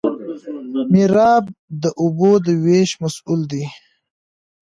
میرآب د اوبو د ویش مسوول وي.